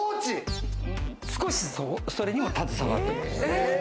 少し、それにも携わってます。